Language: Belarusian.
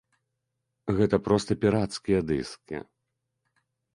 Гэта проста пірацкія дыскі.